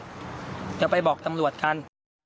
เดี๋ยวไปบอกตำรวจกัน